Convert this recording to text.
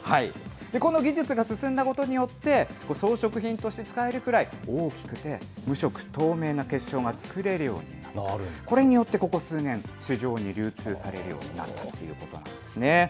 この技術が進んだことによって、装飾品として使えるくらい、大きくて、無色透明な結晶が作れるようになって、これによってここ数年、市場に流通されるようになったということなんですね。